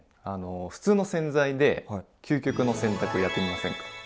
あの普通の洗剤で究極の洗濯やってみませんか？